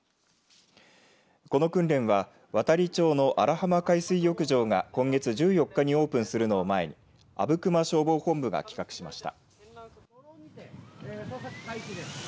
この訓練は亘理町の荒浜海水浴場が今月１４日にオープンするのを前にあぶくま消防本部が企画しました。